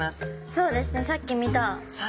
そうですねさっき見た。